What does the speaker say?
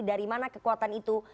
dari mana kekuatan itu